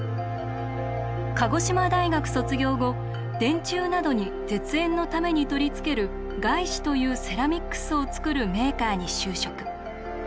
鹿児島大学卒業後電柱などに絶縁のために取り付ける碍子というセラミックスをつくるメーカーに就職。